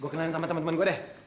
gua kenalin sama temen temen gua deh